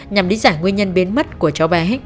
nhằm lý giải nguyên nhân biến mất của cháu bé